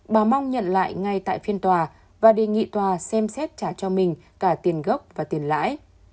bà mong nhận lại ngay tại phiên tòa và đề nghị tòa xem xét trả cho mình cả tiền gốc và tiền lãi